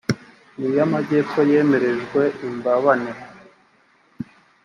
n iy amajyepfo yemerejwe i mbabane